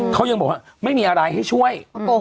เขายังบอกว่าไม่มีอะไรให้ช่วย